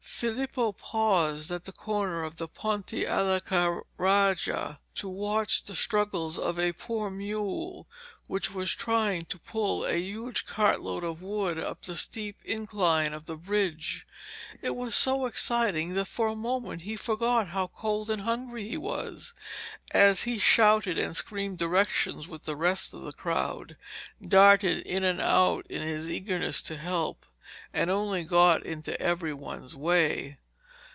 Filippo paused at the corner of the Ponte alla Carraja to watch the struggles of a poor mule which was trying to pull a huge cartload of wood up the steep incline of the bridge. It was so exciting that for a moment he forgot how cold and hungry he was, as he shouted and screamed directions with the rest of the crowd, darted in and out in his eagerness to help, and only got into every one's way.